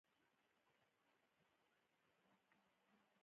لومړی مشروطیت لیکلي تګلاره نه لري.